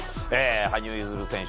羽生結弦選手